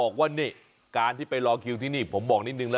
คุยกับปะครับอย่างเนี่ยหรอ